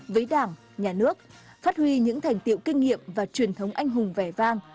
với đảng nhà nước phát huy những thành tiệu kinh nghiệm và truyền thống anh hùng vẻ vang